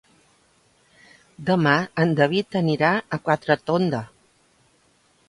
Demà en David anirà a Quatretonda.